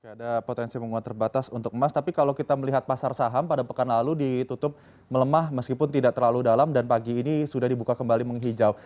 ada potensi menguat terbatas untuk emas tapi kalau kita melihat pasar saham pada pekan lalu ditutup melemah meskipun tidak terlalu dalam dan pagi ini sudah dibuka kembali menghijau